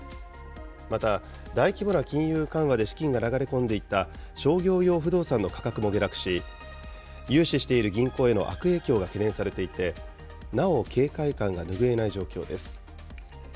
また、大規模な金融緩和で資金が流れ込んでいた商業用不動産の価格も下落し、融資している銀行への悪影響が懸念されていて、なお警戒感が拭えない状況です。